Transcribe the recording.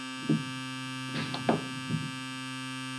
不属于同一对的染色体称为非同源染色体。